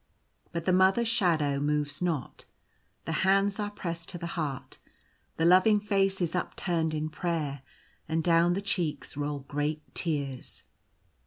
But the Mother's shadow moves not. The hands are pressed to the heart, the loving face is upturned in prayer, and down the cheeks roll great tears.